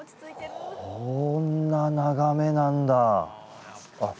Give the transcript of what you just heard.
こんな眺めなんだあっ